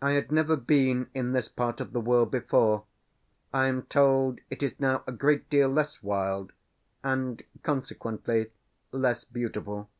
I had never been in this part of the world before; I am told it is now a great deal less wild, and, consequently, less beautiful.